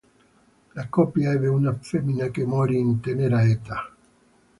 La coppia ebbe una femmina, che morì in tenera età.